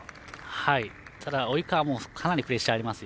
ただ、及川もかなりプレッシャーありますよ。